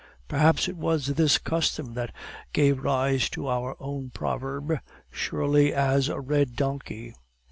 Perhaps it was this custom that gave rise to our own proverb, 'Surely as a red donkey.